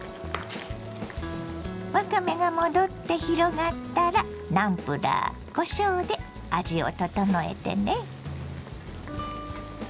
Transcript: わかめが戻って広がったらナムプラーこしょうで味を調えてね。